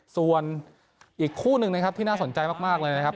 ส่วนอีกคู่หนึ่งนะครับที่น่าสนใจมากเลยนะครับ